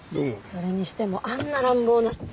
それにしてもあんな乱暴な。